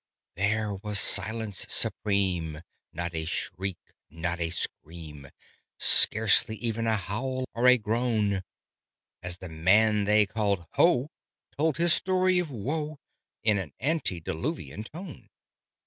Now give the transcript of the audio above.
There was silence supreme! Not a shriek, not a scream, Scarcely even a howl or a groan, As the man they called "Ho!" told his story of woe In an antediluvian tone.